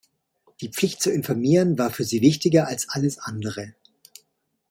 Die Pflicht zu informieren war für sie wichtiger als alles andere.